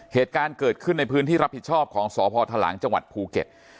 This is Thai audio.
เหตุการณ์เกิดขึ้นในพื้นที่รับผิดชอบของสพทลังจังหวัดภูเก็ต